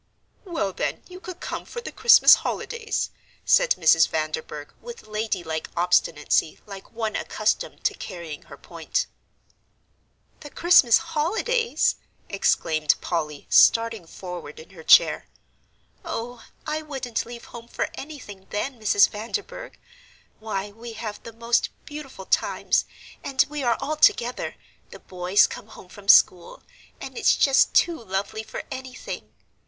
"Well, then, you could come for the Christmas holidays," said Mrs. Vanderburgh, with ladylike obstinacy like one accustomed to carrying her point. "The Christmas holidays!" exclaimed Polly, starting forward in her chair. "Oh, I wouldn't leave home for anything, then, Mrs. Vanderburgh. Why, we have the most beautiful times, and we are all together the boys come home from school and it's just too lovely for anything!"